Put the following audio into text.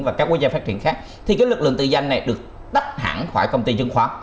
và các quốc gia phát triển khác thì cái lực lượng tự danh này được tách hẳn khỏi công ty chứng khoán